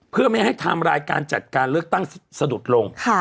เพื่อไม่ให้ไทม์ไลน์การจัดการเลือกตั้งสะดุดลง